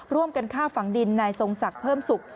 ร่วมกันฆ่าฝังดินนายทรงศักดิ์เพิ่มสุข